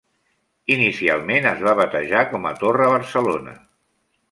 Inicialment es va batejar com a Torre Barcelona.